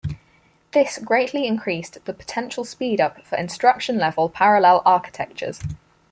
This greatly increased the potential speed-up for instruction-level parallel architectures.